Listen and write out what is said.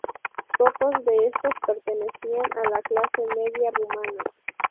Pocos de estos pertenecían a la clase media rumana.